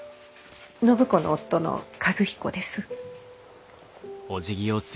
暢子の夫の和彦です。